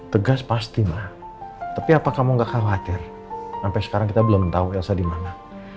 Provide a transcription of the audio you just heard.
tegas pasti mah tapi apa kamu gak khawatir sampai sekarang kita belum tahu elsa di mana